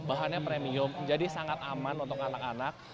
bahannya premium jadi sangat aman untuk anak anak